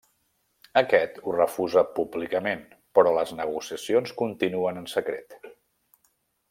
Aquest ho refusa públicament, però les negociacions continuen en secret.